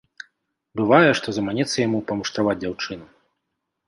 Бывае, што заманецца яму памуштраваць дзяўчыну.